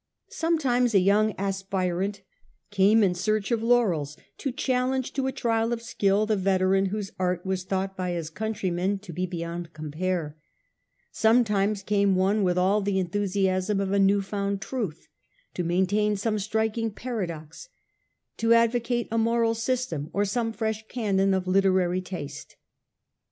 Sometimes a young aspirant came in quest of laurels, to challenge to a triaJ of skill the veteran whose art was thought by his country [68 The Age of the Antonines. cm. vm. men to be beyond compare. Sometimes came one with all the enthusiasm of a new found truth, to maintain some striking paradox, to advocate a moral system, or some fresh canon of literary taste.